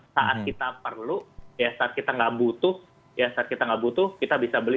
saat kita perlu ya saat kita nggak butuh ya saat kita nggak butuh kita bisa beli